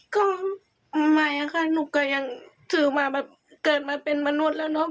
ก็ไม่ค่ะหนูก็ยังถือมาแบบเกิดมาเป็นมนุษย์แล้วเนอะ